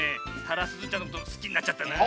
タラスズちゃんのことすきになっちゃったな。